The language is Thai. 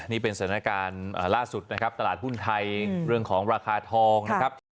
นี่เป็นสถานการณ์ล่าสุดนะครับตลาดหุ้นไทยเรื่องของราคาทองนะครับ